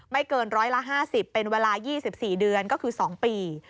เกินร้อยละ๕๐เป็นเวลา๒๔เดือนก็คือ๒ปี